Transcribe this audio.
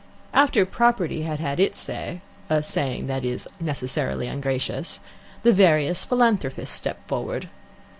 After property had had its say a saying that is necessarily ungracious the various philanthropists stepped forward.